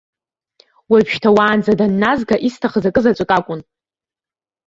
Уажәшьҭа, уаанӡа данназга, исҭахыз акызаҵәык акәын.